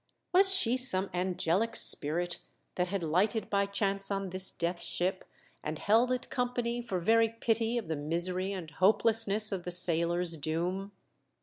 Was she some angelic spirit that had lighted by chance on this Death Ship, and held it company for very pity of the misery and hopelessness of the sailor's doom